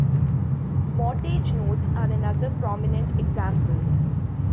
Mortgage notes are another prominent example.